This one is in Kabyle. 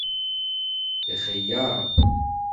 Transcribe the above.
Ixyar